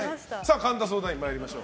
神田相談員、参りましょう。